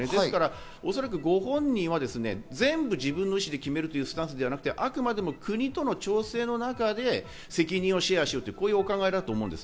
おそらくご本人は全部自分の意思で決めるというスタンスではなくて、あくまでも国との調整の中で責任をシェアしようというお考えだと思います。